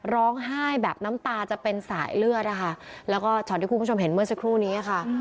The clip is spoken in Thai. ร้องไห้แบบน้ำตาจะเป็นสายเลือดนะคะแล้วก็ช็อตที่คุณผู้ชมเห็นเมื่อสักครู่นี้ค่ะ